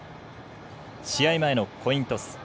試合前のコイントス。